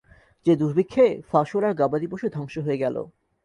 যে দুর্ভিক্ষে ফসল আর গবাদিপশু ধ্বংস হয়ে গেল।